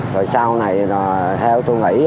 rồi sau này theo tôi nghĩ